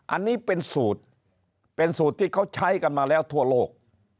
อันนี้เป็นสูตรเป็นสูตรที่เขาใช้กันมาแล้วทั่วโลก